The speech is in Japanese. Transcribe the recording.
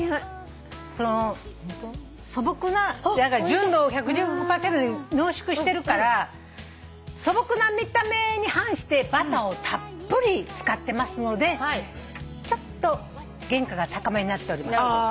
純度１１５％に濃縮してるから素朴な見た目に反してバターをたっぷり使ってますのでちょっと原価が高めになっております。